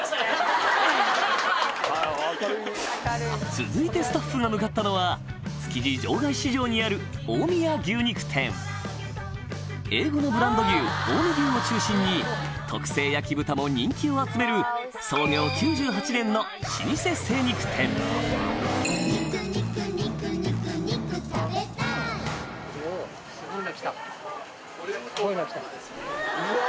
続いてスタッフが向かったのは築地場外市場にあるＡ５のブランド牛近江牛を中心にも人気を集める創業９８年の老舗精肉店スゴいの来た。